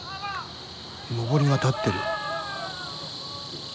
のぼりが立ってる。